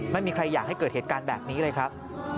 ไม่มีใครอยากให้เกิดเหตุการณ์แบบนี้เลยครับ